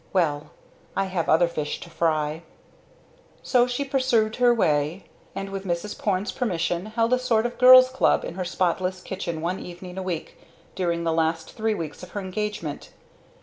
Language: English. Well I have other fish to fry!" So she pursued her way; and, with Mrs. Porne's permission held a sort of girl's club in her spotless kitchen one evening a week during the last three months of her engagement.